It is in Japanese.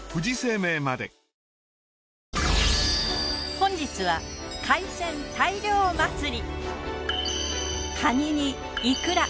本日は海鮮大漁祭り！